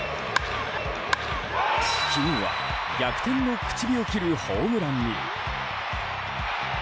昨日は逆転の口火を切るホームランに。